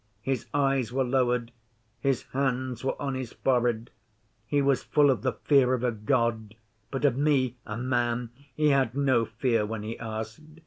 His eyes were lowered, his hands were on his forehead. He was full of the fear of a God, but of me, a man, he had no fear when he asked.